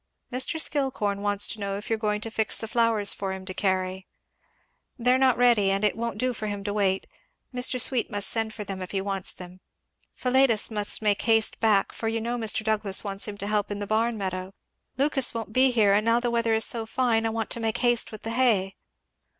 "Mr. Skillcorn wants to know if you're going to fix the flowers for him to carry?" "They're not ready, and it won't do for him to vait Mr. Sweet must send for them if he wants them. Philetus must make haste back, for you know Mr. Douglass wants him to help in the barn meadow. Lucas won't be here and now the weather is so fine I want to make haste with the hay."